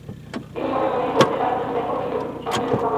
তিনি মনে মনে বলতে লাগলেন, দেখ নীলু, স্বপ্নের ওপর আমার হাত নেই।